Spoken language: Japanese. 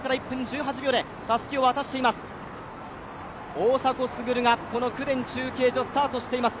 大迫傑が公田中継所、スタートしています。